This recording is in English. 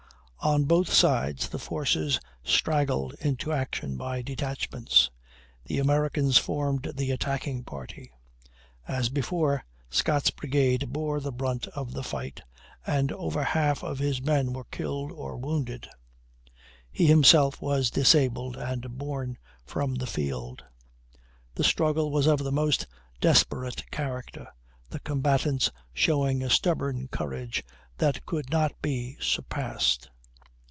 On both sides the forces straggled into action by detachments. The Americans formed the attacking party. As before, Scott's brigade bore the brunt of the fight, and over half of his men were killed or wounded; he himself was disabled and borne from the field. The struggle was of the most desperate character, the combatants showing a stubborn courage that could not be surpassed.